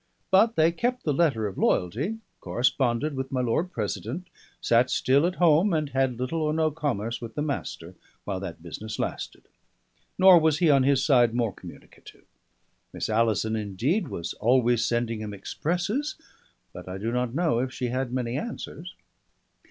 But they kept the letter of loyalty, corresponded with my Lord President, sat still at home, and had little or no commerce with the Master while that business lasted. Nor was he, on his side, more communicative. Miss Alison, indeed, was always sending him expresses, but I do not know if she had many answers.